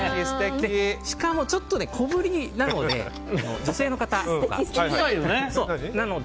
しかもちょっと小ぶりなので女性の方とか。